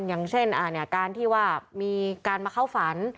อย่างเช่นการที่ว่ามีการมาเข้าฝัน